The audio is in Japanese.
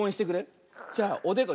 じゃあおでこ。